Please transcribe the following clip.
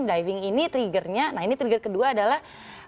diving ini triggernya nah ini trigger kedua adalah